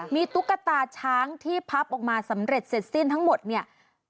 มีตุ๊กตาช้างที่พับออกมาสำเร็จเสร็จสิ้นทั้งหมดเนี่ย